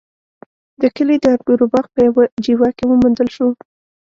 د کلي د انګورو باغ په يوه جیوه کې وموندل شو.